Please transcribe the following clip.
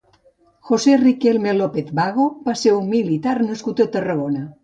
José Riquelme López-Bago va ser un militar nascut a Tarragona.